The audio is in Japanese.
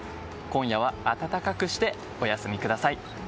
今夜は暖かくしてお休みください。